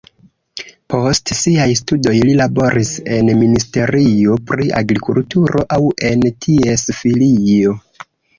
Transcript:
Post siaj studoj li laboris en ministerio pri agrikulturo aŭ en ties filio.